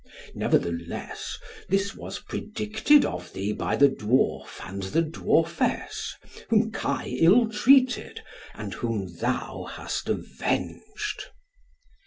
Nevertheless, this was predicted of thee by the dwarf and the dwarfess, whom Kai ill treated, and whom thou hast avenged."